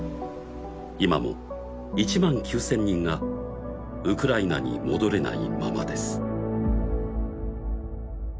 今も１万９０００人がウクライナに戻れないままです